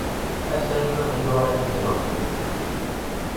Esa é unha mellora que se nota.